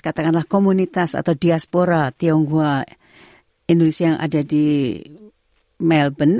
katakanlah komunitas atau diaspora tionghoa indonesia yang ada di melbourne